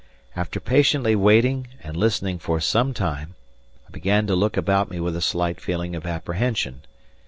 After patiently waiting and listening for some time, I began to look about me with a slight feeling of apprehension.